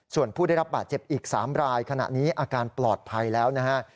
ส่วนผู้ได้รับบาดเจ็บอีก๓รายขณะนี้อาการปลอดภัยแล้วนะฮะ